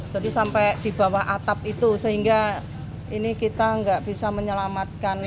jadi sampai di bawah atap itu sehingga ini kita nggak bisa menyelamatkan